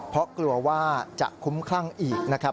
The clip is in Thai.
เพราะกลัวว่าจะคุ้มคลั่งอีกนะครับ